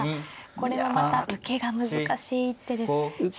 これはまた受けが難しい一手で。